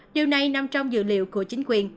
điều này nằm trong dự liệu của chính quyền